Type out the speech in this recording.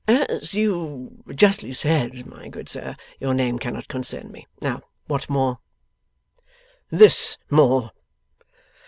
'As you justly said, my good sir, your name cannot concern me. Now, what more?' 'This more.